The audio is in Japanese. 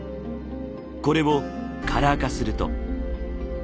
これをカラー化すると。